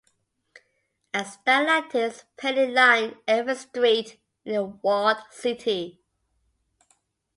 A stout lattice paling lined every street in the walled city.